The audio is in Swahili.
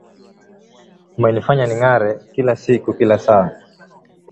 Umenifanya ning’are kila siku kila saa.